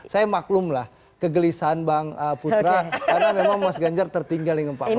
saya maklumlah kegelisahan bang putra karena memang mas ganjar tertinggal yang empat tahun